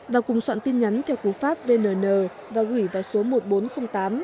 và cùng soạn tin nhắn cho cụ pháp vnn và quỷ vào số một nghìn bốn trăm linh tám